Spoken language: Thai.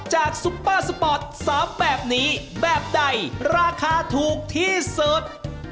ซุปเปอร์สปอร์ต๓แบบนี้แบบใดราคาถูกที่สุด